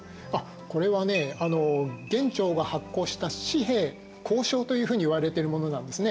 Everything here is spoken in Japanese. これはね元朝が発行した紙幣交鈔というふうにいわれてるものなんですね。